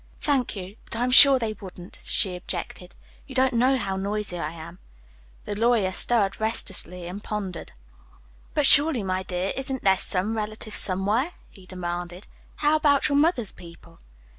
"Thank you, but I'm sure they wouldn't," she objected. "You don't know how noisy I am." The lawyer stirred restlessly and pondered. "But, surely, my dear, isn't there some relative, somewhere?" he demanded. "How about your mother's people?"